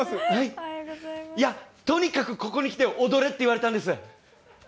いや、とにかくここに来て踊れって言われたんです。